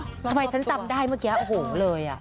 ทำไมฉันจำได้เมื่อกี้โอ้โหเลย